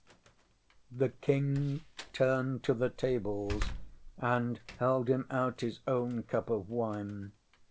ŌĆśThe King turned to the tables, and held him out his own cup of wine.